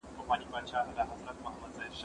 زه پرون د سبا لپاره د لغتونو زده کړه کوم